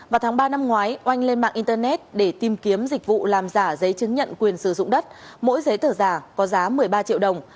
vào tháng ba năm ngoái oanh lên mạng internet để tìm kiếm dịch vụ làm giả giấy chứng nhận quyền sử dụng đất mỗi giấy tờ giả có giá một mươi ba triệu đồng